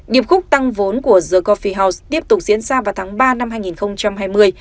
điệp khúc tăng vốn của the cophie house tiếp tục diễn ra vào tháng ba năm hai nghìn hai mươi